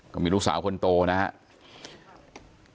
ก็มีลูกสาวคนโตนะฮะ